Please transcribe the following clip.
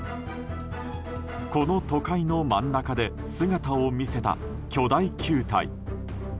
この都会の真ん中で姿を見せた巨大球体。